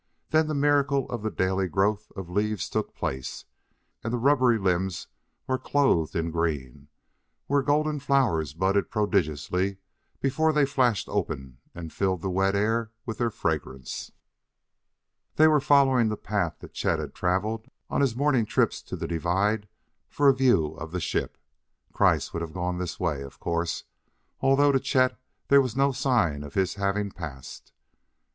Then the miracle of the daily growth of leaves took place, and the rubbery limbs were clothed in green, where golden flowers budded prodigiously before they flashed open and filled the wet air with their fragrance. They were following the path that Chet had traveled on his morning trips to the divide for a view of the ship. Kreiss would have gone this way, of course, although to Chet, there was no sign of his having passed.